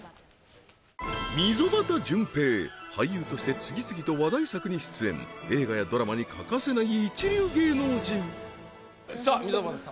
溝端淳平俳優として次々と話題作に出演映画やドラマに欠かせない一流芸能人さあ溝端様